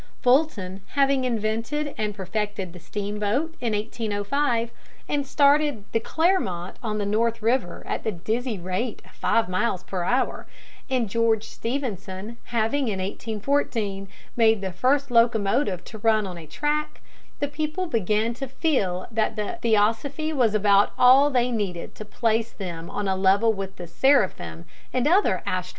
Fulton having invented and perfected the steamboat in 1805 and started the Clermont on the North River at the dizzy rate of five miles per hour, and George Stephenson having in 1814 made the first locomotive to run on a track, the people began to feel that theosophy was about all they needed to place them on a level with the seraphim and other astral bodies.